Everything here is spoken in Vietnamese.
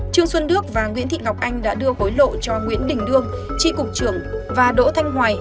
trương xuân đức và nguyễn thị ngọc anh đã đưa hối lộ cho nguyễn đình đương tri cục trưởng và đỗ thanh hoài